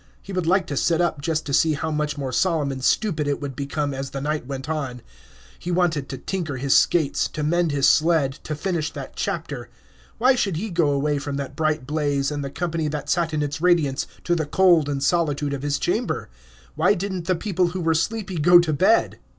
He would like to sit up just to see how much more solemn and stupid it would become as the night went on; he wanted to tinker his skates, to mend his sled, to finish that chapter. Why should he go away from that bright blaze, and the company that sat in its radiance, to the cold and solitude of his chamber? Why did n't the people who were sleepy go to bed?